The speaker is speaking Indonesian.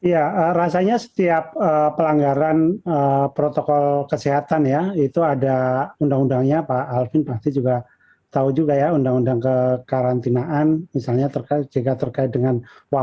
ya rasanya setiap pelanggaran protokol kesehatan ya itu ada undang undangnya pak alvin pasti juga tahu juga ya undang undang kekarantinaan misalnya jika terkait dengan warga